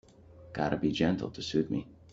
Gotta be gentle to suit me.